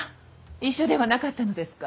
一緒ではなかったのですか？